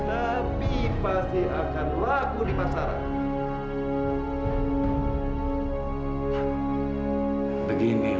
tapi pasti akan laku di pasaran